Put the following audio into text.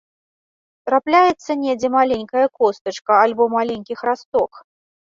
Трапляецца недзе маленькая костачка, альбо маленькі храсток.